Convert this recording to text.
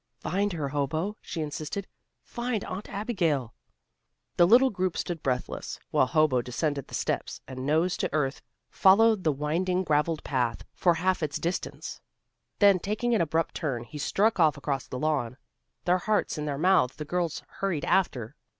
"Find her, Hobo," she insisted. "Find Aunt Abigail." The little group stood breathless, while Hobo descended the steps, and nose to earth, followed the winding gravelled path for half its distance. Then taking an abrupt turn, he struck off across the lawn. Their hearts in their mouths the girls hurried after.